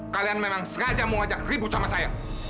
kalian memang sengaja mau ngajak ribut sama saya